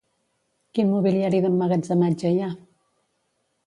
Quin mobiliari d'emmagatzematge hi ha?